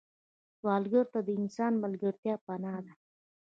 سوالګر ته د انسان ملګرتیا پناه ده